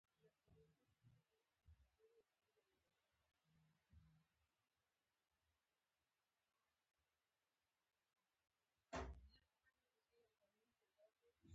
زه د ښوونځي د ناستو برخه یم.